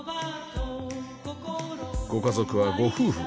ご家族はご夫婦